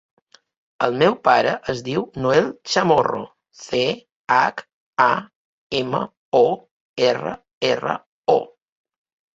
El meu pare es diu Noel Chamorro: ce, hac, a, ema, o, erra, erra, o.